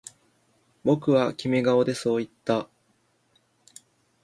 僕はキメ顔でそう言った